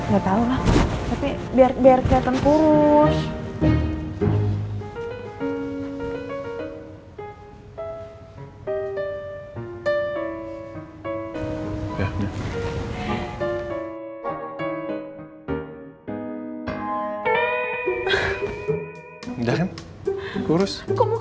gak tau lah tapi biar keliatan kurus